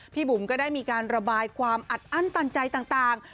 บุ๋มก็ได้มีการระบายความอัดอั้นตันใจต่าง